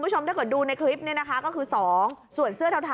ผู้ชมถ้าเกิดดูในคลิปเนี้ยนะคะก็คือสองส่วนเสื้อเทา